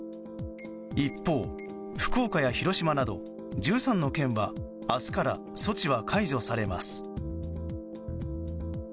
一方、福岡や広島など１３の県は明日から措置は解除されます。